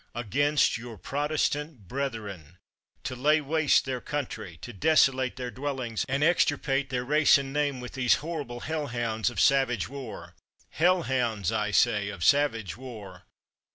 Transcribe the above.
against your Protestant brethren; to lay waste their country, to desolate their dwellings, and extirpate their race and name with these horrible hell hounds of savage war — hell hounds, I say, of savage war!